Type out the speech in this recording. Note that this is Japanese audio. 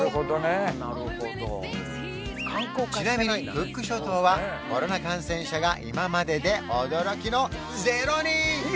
なるほどちなみにクック諸島はコロナ感染者が今までで驚きの０人！